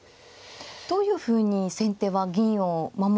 どういうふうに先手は銀を守るんでしょうか。